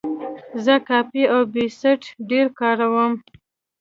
زه کاپي او پیسټ ډېر کاروم.